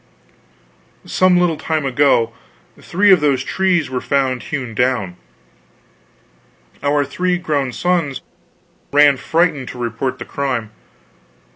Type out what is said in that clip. Some little time ago, three of those trees were found hewn down. Our three grown sons ran frightened to report the crime.